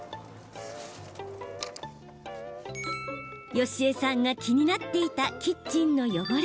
よしえさんが気になっていたキッチンの汚れ。